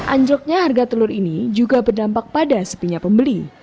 anjloknya harga telur ini juga berdampak pada sepinya pembeli